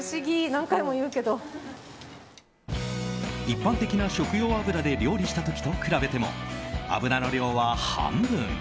一般的な食用油で料理した時と比べても油の量は半分。